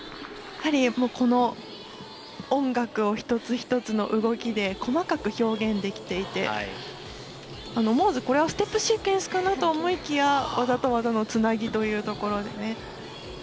やはり、この音楽を一つ一つの動きで細かく表現できていて思わず、これはステップシークエンスかなと思いきや技と技のつなぎというところで。